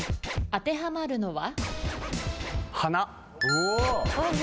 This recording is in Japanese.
当てはまるのは？